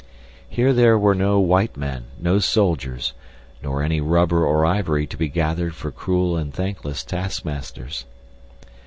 Here there were no white men, no soldiers, nor any rubber or ivory to be gathered for cruel and thankless taskmasters.